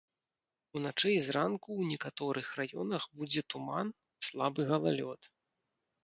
Уначы і зранку ў некаторых раёнах будзе туман, слабы галалёд.